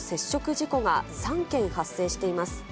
事故が３件発生しています。